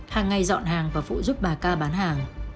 hàng ngày dọn hàng và phụ giúp bà ca bán hàng